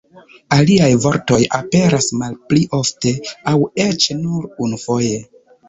Aliaj vortoj aperas malpli ofte, aŭ eĉ nur unufoje.